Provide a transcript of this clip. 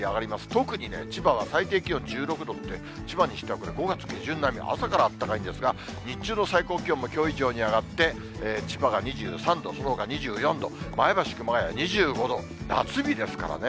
特に千葉は最低気温１６度って、千葉にしては５月下旬並み、朝からあったかいんですが、日中の最高気温もきょう以上に上がって、千葉が２３度、そのほか２４度、前橋、熊谷２５度、夏日ですからね。